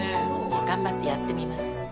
頑張ってやってみます。